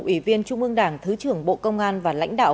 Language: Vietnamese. ủy viên trung ương đảng thứ trưởng bộ công an và lãnh đạo